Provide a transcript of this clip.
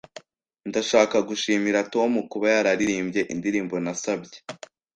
Ndashaka gushimira Tom kuba yararirimbye indirimbo nasabye.